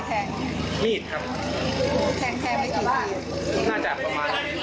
ตอนนั้นมีใครเข้าไปห้ามอะไรยังไงครับ